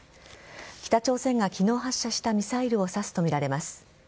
北朝鮮が昨日発射したミサイルを指すとみられます。